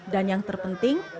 dan yang terpenting